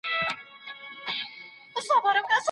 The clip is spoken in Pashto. ناز به دې وړم ناز دې چليږي